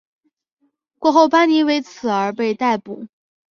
过后班尼为此而被逮捕。